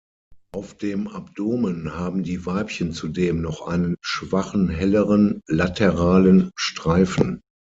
Auf dem Abdomen haben die Weibchen zudem noch einen schwachen helleren, lateralen Streifen.